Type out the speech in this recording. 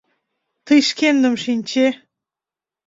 Тый шкендым шинче.